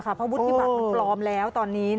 เพราะวุฒิบัตรมันปลอมแล้วตอนนี้